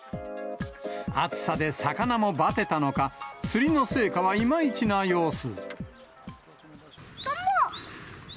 暑さで魚もばてたのか、釣りの成果はいまいちな様子。